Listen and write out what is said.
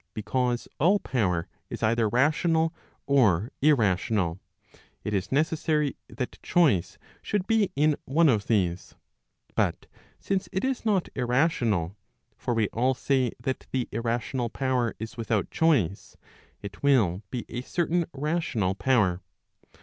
Because all power is cither rational or irrational, it is necessary that choice should be in one of these. But since it is not irrational; for we all say that the irrational power is without choice, it will be a certain rational power.